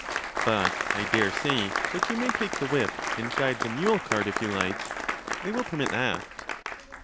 But I dare say that you may take the whip and guide the mule cart if you like ;— they will permit that?